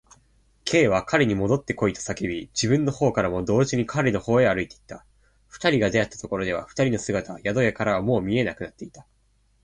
Ｋ は彼にもどってこいと叫び、自分のほうからも同時に彼のほうへ歩いていった。二人が出会ったところでは、二人の姿は宿屋からはもう見えなくなっていた。